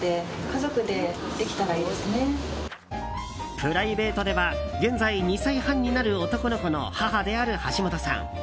プライベートでは現在２歳半になる男の子の母である橋本さん。